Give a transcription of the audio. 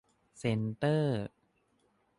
เซ็นเตอร์